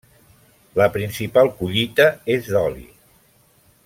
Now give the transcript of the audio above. La principal collita és d'oli.